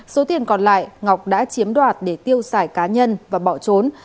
số tiền còn lại ngọc đã chiếm đoạt để tiêu xài cá nhân và bỏ trốn